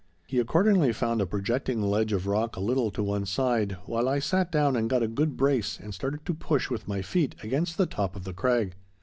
He accordingly found a projecting ledge of rock a little to one side, while I sat down and got a good brace and started to push with my feet against the top of the crag.